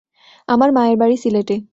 আমার মায়ের বাড়ি সিলেটে।